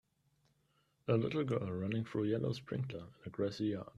A little girl running through yellow sprinkler in a grassy yard.